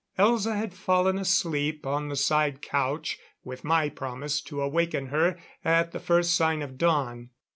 Elza had fallen asleep on the side couch, with my promise to awaken her at the first sign of dawn.